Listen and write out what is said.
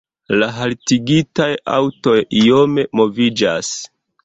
La haltigitaj aŭtoj iome moviĝas.